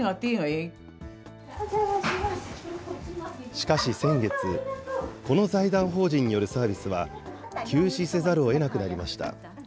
しかし先月、この財団法人によるサービスは休止せざるをえなくなりました。